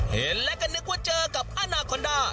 เห็นแล้วก็นึกว่าเจอกับอนาคอนด้า